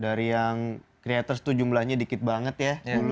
dari yang creators itu jumlahnya dikit banget ya